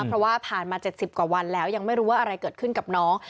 เพราะว่าผ่านมา๗๐กว่าวันแล้วยังไม่รู้ว่าอะไรเกิดขึ้นกับน้อง